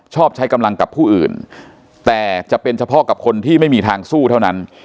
ชอบใช้กำลังกับผู้อื่นแต่จะเป็นเฉพาะกับคนที่ไม่มีทางสู้เท่านั้น